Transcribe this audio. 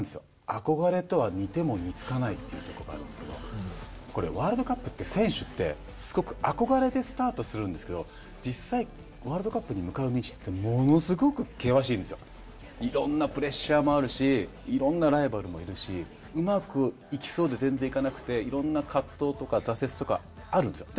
「“憧れ”とは似ても似つかない」っていうところがあるんですけどワールドカップって選手ってすごく憧れてスタートするんですけどいろんなプレッシャーもあるしいろんなライバルもいるしうまくいきそうで全然いかなくていろんな葛藤とか挫折とかあるんですよ。